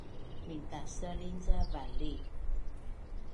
Mintasalin ca vali